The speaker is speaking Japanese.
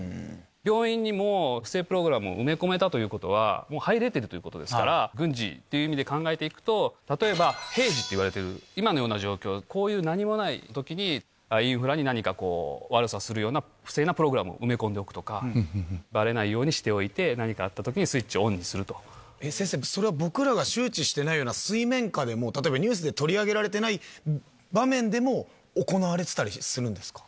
病院にも、不正プログラムを埋め込めたということは、もう入れてるということですから、軍事っていう意味で考えていくと、例えば、平時っていわれてる今のような状況、こういう何もないときに、インフラに何かこう悪さするような不正なプログラムを埋め込んでおくとか、ばれないようにしておいて、何かあったときにスイッチ先生、それは僕らが周知してないような水面下でも、例えば、ニュースで取り上げられてない場面でも、行われてたりするんですか？